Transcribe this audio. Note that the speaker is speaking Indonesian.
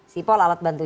sipol alat bantu